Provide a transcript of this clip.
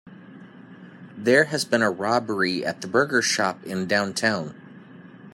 There has been a robbery at the burger shop in downtown.